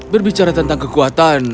berbicara tentang kekuatan